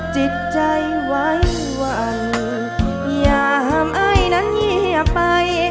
จิตใจไว้หวั่นอย่าห้ามไอ้นั้นเงียบไป